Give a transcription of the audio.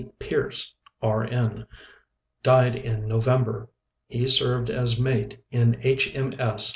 Pearse, R. N., died in November. He served as mate in H. M. S.